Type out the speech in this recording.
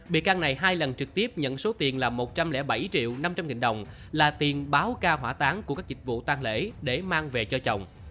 bị can này hai lần trực tiếp nhận số tiền là một trăm linh bảy triệu năm trăm linh nghìn đồng là tiền báo ca hỏa táng của các dịch vụ tăng lễ để mang về cho chồng